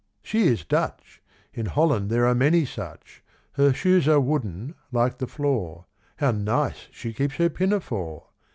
She is Dutch: In Holland there are many such. Her shoes are wooden, like the floor; How nice she keeps her pinafore!